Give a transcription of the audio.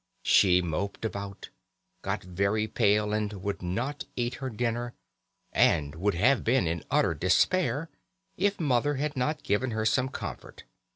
She moped about, got very pale, would not eat her dinner, and would have been in utter despair if Mother had not given her some comfort.